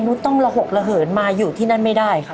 ต้องระหกระเหินมาอยู่ที่นั่นไม่ได้ครับ